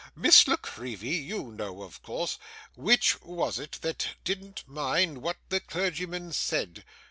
Miss La Creevy, you know, of course. Which was it that didn't mind what the clergyman said?